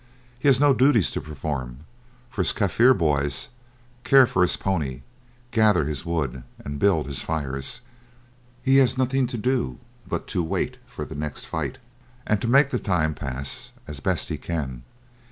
He has no duties to perform, for his Kaffir boys care for his pony, gather his wood, and build his fire. He has nothing to do but to wait for the next fight, and to make the time pass as best he can.